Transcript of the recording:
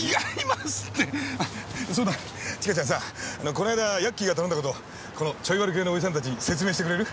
この間ヤッキーが頼んだ事このチョイワル系のオジサンたちに説明してくれる？